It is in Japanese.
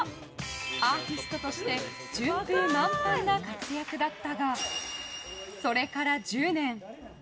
アーティストとして順風満帆な活躍だったがそれから１０年。